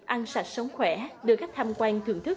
ăn sạch sống khỏe đưa khách tham quan thưởng thức